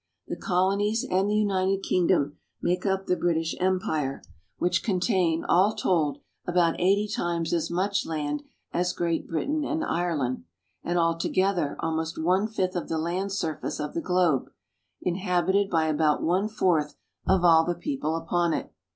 The colonies and the United Kingdom make up the British Empire, which contains, all told, about eighty times as much land as Great Britain and Ireland, and altogether almost one fifth of the land surface of the globe, inhabited by about one fourth of all the people upon it.